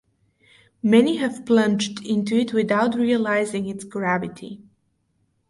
Many have plunged into it without realizing its gravity.